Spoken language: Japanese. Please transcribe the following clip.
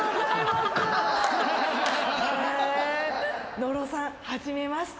野呂さん初めまして。